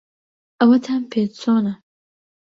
ئەوەتان پێ چۆنە؟